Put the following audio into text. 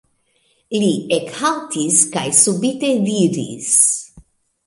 Li ekhaltis kaj subite diris: